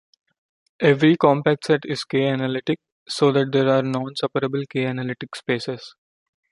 Every compact set is K-analytic so that there are non-separable K-analytic spaces.